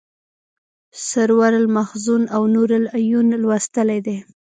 سرور المحزون او نور العیون لوستلی دی.